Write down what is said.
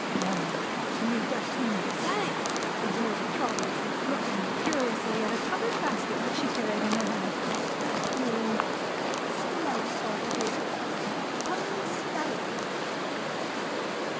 "Why you don't mean to say," observed Trotty, looking curiously at a covered basket which she carried in her hand, "that you " "Smell it, father dear," said Meg, "Only smell it!"